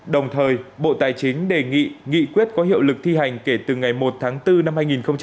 đồng thời bộ tài chính đề nghị nghị quyết có hiệu lực thi hành kể từ ngày một tháng bốn năm hai nghìn hai mươi